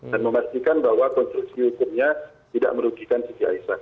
dan memastikan bahwa konstruksi hukumnya tidak merugikan siti aisyah